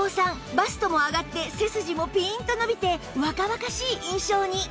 バストも上がって背筋もピーンと伸びて若々しい印象に